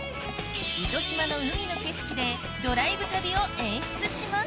糸島の海の景色でドライブ旅を演出します